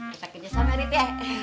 kita kerja sama rit ya